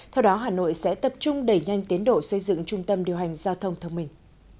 theo đó hà nội sẽ tập trung đẩy nhanh tiến độ xây dựng trung tâm điều hành giao thông thông minh